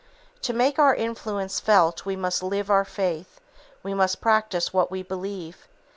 To make our influence felt we must live our faith, we must practice what we believe.